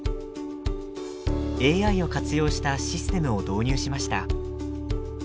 ＡＩを活用したシステムを導入しました。